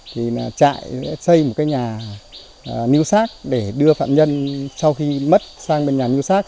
thì trại xây một cái nhà níu sát để đưa phạm nhân sau khi mất sang bên nhà níu sát